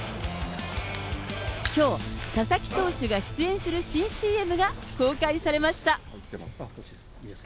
きょう、佐々木投手が出演する新ＣＭが公開されました。